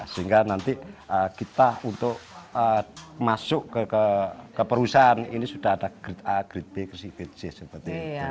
sehingga nanti kita untuk masuk ke perusahaan ini sudah ada grid a grade b ke si grid c seperti itu